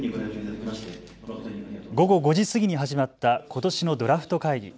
午後５時過ぎに始まったことしのドラフト会議。